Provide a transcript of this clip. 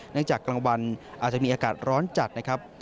จากกลางวันอาจจะมีอากาศร้อนจัดนะครับ